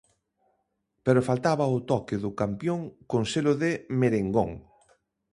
Pero faltaba o toque do campión con selo de 'merengón'.